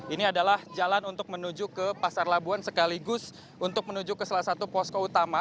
ini adalah jalan untuk menuju ke pasar labuan sekaligus untuk menuju ke salah satu posko utama